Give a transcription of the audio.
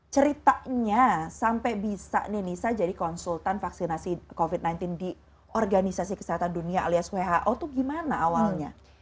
ceritanya sampai bisa nih nisa jadi konsultan vaksinasi covid sembilan belas di organisasi kesehatan dunia alias who itu gimana awalnya